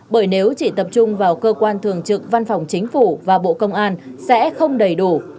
bởi nếu chỉ tập trung vào cơ quan thường trực văn phòng chính phủ và bộ công an sẽ không đầy đủ